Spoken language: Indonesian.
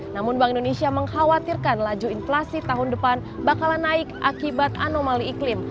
namun bank indonesia mengkhawatirkan laju inflasi tahun depan bakalan naik akibat anomali iklim